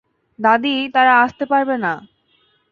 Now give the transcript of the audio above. দাদী, তারা আসতে পারবে না।